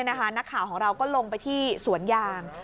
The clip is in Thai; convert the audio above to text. นักข่าวของเราก็ลงไปที่สวนยาง